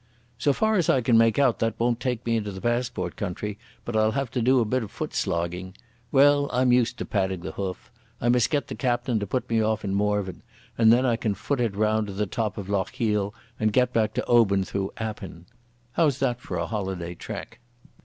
"So far as I can make out that won't take me into the passport country, but I'll have to do a bit of footslogging. Well, I'm used to padding the hoof. I must get the captain to put me off in Morvern, and then I can foot it round the top of Lochiel and get back to Oban through Appin. How's that for a holiday trek?"